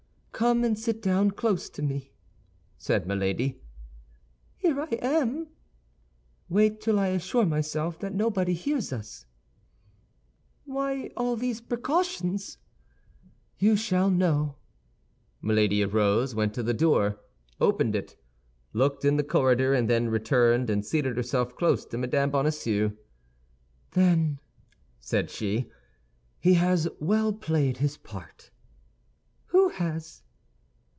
"Come and sit down close to me," said Milady. "Here I am." "Wait till I assure myself that nobody hears us." "Why all these precautions?" "You shall know." Milady arose, went to the door, opened it, looked in the corridor, and then returned and seated herself close to Mme. Bonacieux. "Then," said she, "he has well played his part." "Who has?"